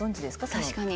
確かに。